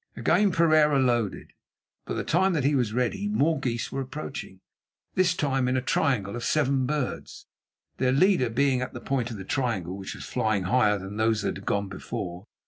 Again Pereira loaded. By the time that he was ready more geese were approaching, this time in a triangle of seven birds, their leader being at the point of the triangle, which was flying higher than those that had gone before.